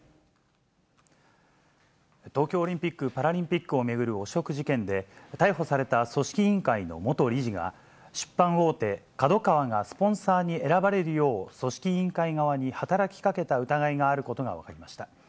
東京オリンピック・パラリンピックを巡る汚職事件で、逮捕された組織委員会の元理事が、出版大手、ＫＡＤＯＫＡＷＡがスポンサーに選ばれるよう、組織委員会側に働きかけた疑いがあることが分かりました。